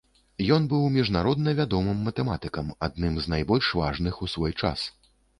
Ён быў міжнародна вядомым матэматыкам, адным з найбольш важных у свой час.